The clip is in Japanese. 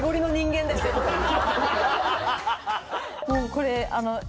これ。